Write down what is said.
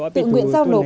tự nguyện giao nổ